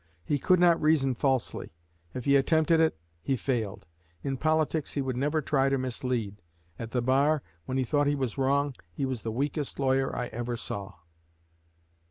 He could not reason falsely; if he attempted it, he failed. In politics he would never try to mislead. At the bar, when he thought he was wrong, he was the weakest lawyer I ever saw."